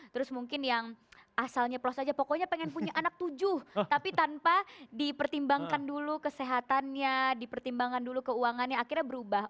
terus mungkin yang asalnya plus aja pokoknya pengen punya anak tujuh tapi tanpa dipertimbangkan dulu kesehatannya dipertimbangkan dulu keuangannya akhirnya berubah